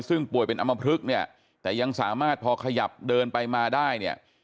ซึ่งป่วยเป็นอำมพลึกเนี่ยแต่ยังสามารถพอขยับเดินไปมาได้เนี่ย